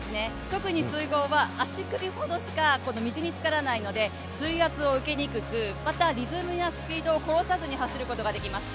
特に、水濠は足首くらいしか水につからないので水圧を受けにくくまた、リズムやスピードを殺さずに走ることができます。